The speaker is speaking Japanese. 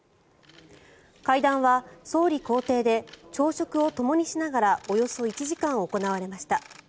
会談は、総理公邸で朝食をともにしながらおよそ１時間行われました。